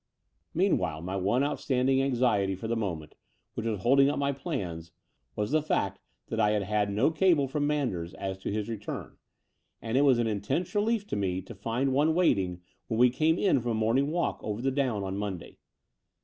XIII Meanwhile my one outstanding anxiety for the moment, which was holding up my plans, was the fact that I had had no cable from Manders as to his return; and it was an intense relief to me to find one waiting when we came in from a morning walk over the down on Monday.